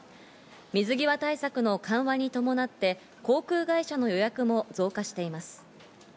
水際対策の緩和に伴って航空会社の予約も増加しています。